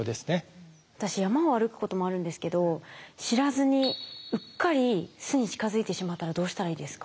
私山を歩くこともあるんですけど知らずにうっかり巣に近づいてしまったらどうしたらいいですか？